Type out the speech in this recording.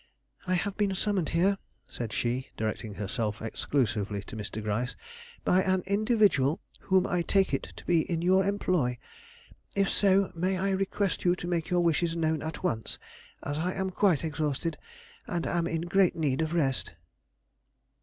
"I have been summoned here," said she, directing herself exclusively to Mr. Gryce, "by an individual whom I take to be in your employ. If so, may I request you to make your wishes known at once, as I am quite exhausted, and am in great need of rest."